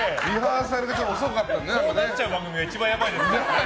こうなっちゃう番組が一番やばいですから。